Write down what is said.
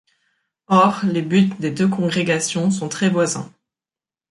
Or, les buts des deux congrégations sont très voisins.